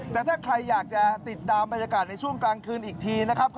แต่ถ้าใครอยากจะติดตามบรรยากาศในช่วงกลางคืนอีกทีนะครับ